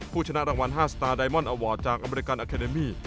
ชนะรางวัล๕สตาร์ไดมอนอวอร์ดจากอเมริกันอาเคเดมี่